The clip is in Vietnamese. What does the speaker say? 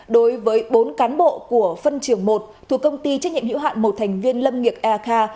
đối với bốn cán bộ của phân trường một thuộc công ty trách nhiệm hữu hạn một thành viên lâm nghiệp eak